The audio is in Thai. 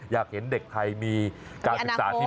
อยากเห็นเด็กไทยมีการศึกษาที่ดี